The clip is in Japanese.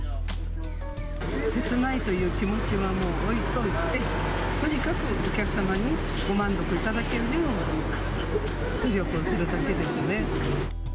せつないという気持ちはもう、置いといて、とにかくお客様にご満足いただけるように努力をするだけですね。